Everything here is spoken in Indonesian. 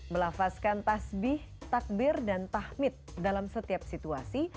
melafazkan tasbih takbir dan tahmid dalam setiap situasi